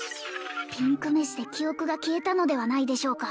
ピンク飯で記憶が消えたのではないでしょうか